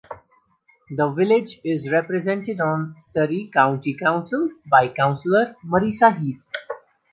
The village is represented on Surrey County Council by Councillor Marisa Heath.